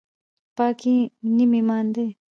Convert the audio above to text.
پاکي نیم ایمان دی